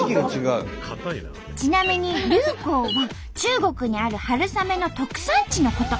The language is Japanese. ちなみに「龍口」は中国にある春雨の特産地のこと。